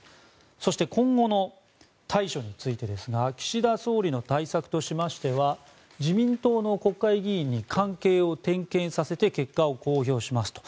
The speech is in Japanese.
そして今後の対処についてですが岸田総理の対策としましては自民党の国会議員に関係を点検させて結果を公表しますと。